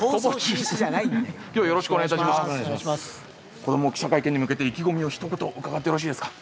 「子ども記者会見」に向けて意気込みをひと言伺ってよろしいですか？